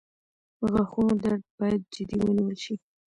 • د غاښونو درد باید جدي ونیول شي.